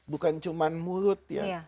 bukan cuma mulut ya